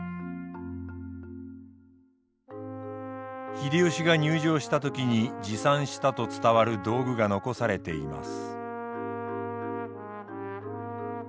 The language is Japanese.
秀吉が入城した時に持参したと伝わる道具が残されています。